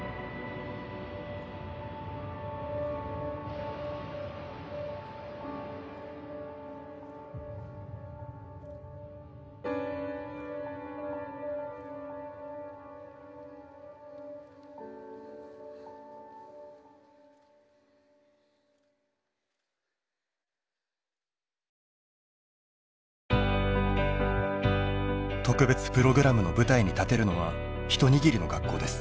特別プログラムの舞台に立てるのは一握りの学校です。